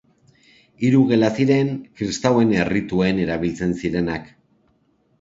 Hiru gela ziren kristauen errituen erabiltzen zirenak.